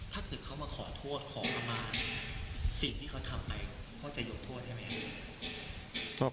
ถ้าคือเขามาขอโทษขอขมาสิ่งที่เขาทำให้พ่อจะหยกโทษใช่ไหม